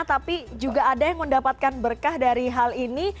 tapi juga ada yang mendapatkan berkah dari hal ini